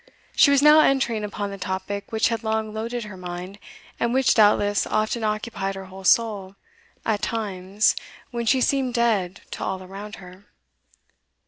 She was now entering upon the topic which had long loaded her mind, and which doubtless often occupied her whole soul at times when she seemed dead to all around her.